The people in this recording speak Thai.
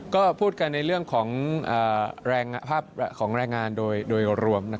ก็พูดกันในเรื่องของแรงงานโดยรวม